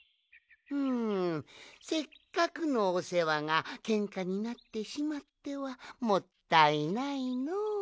うんせっかくのおせわがけんかになってしまってはもったいないのう。